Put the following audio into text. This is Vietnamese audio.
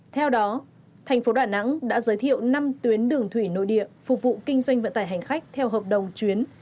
theo đó thành phố đà nẵng đã giới thiệu năm tuyến đường thủy nội địa phục vụ kinh doanh vận tải hành khách theo hợp đồng chuyến